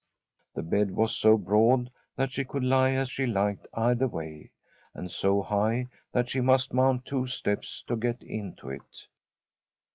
The bed was so broad that she could lie as she liked either way, and so high that she must mount two steps to get into it.